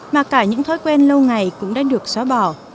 mà cả những thói quen lâu ngày cũng đã được xóa bỏ